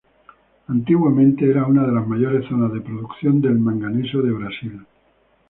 Antiguamente era una de las mayores zona de producción de manganeso de Brasil.